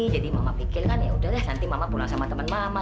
jadi mama pikirkan yaudah lah nanti mama pulang sama teman mama